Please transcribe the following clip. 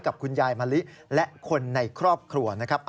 กับคุณยายมะลิและคนในครอบครัวนะครับ